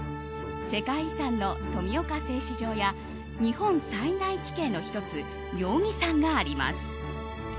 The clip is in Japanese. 世界遺産の富岡製糸場や日本三大奇景の１つ妙義山があります。